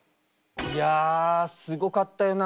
いやすごかったよな。